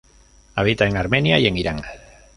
Habita en Armenia y en Irán.